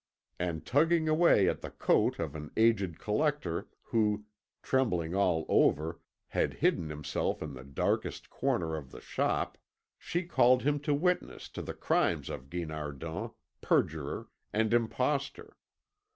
And tugging away at the coat of an aged collector who, trembling all over, had hidden himself in the darkest corner of the shop, she called him to witness to the crimes of Guinardon, perjurer and impostor.